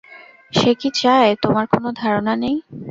সে কি চায় তোমার কোন ধারণা নেই!